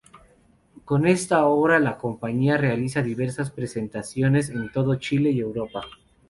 Con esta obra la compañía realiza diversas presentaciones en todo Chile y Europa.